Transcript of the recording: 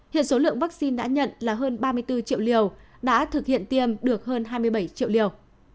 hiện số lượng vaccine đã nhận là hơn ba mươi bốn triệu liều đã thực hiện tiêm được hơn hai mươi bảy triệu liều